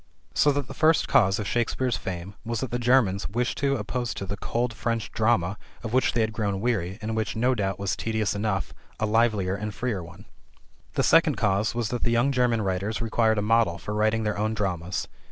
So that the first cause of Shakespeare's fame was that the Germans wished to oppose to the cold French drama, of which they had grown weary, and which, no doubt, was tedious enough, a livelier and freer one. The second cause was that the young German writers required a model for writing their own dramas.